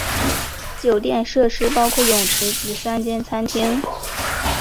酒店设施包括泳池及三间餐厅。